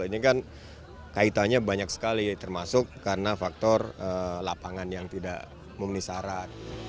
ini kan kaitannya banyak sekali termasuk karena faktor lapangan yang tidak memenuhi syarat